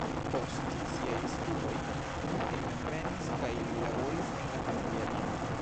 Post siaj studoj li hejmenvenis kaj li laboris en la familia bieno.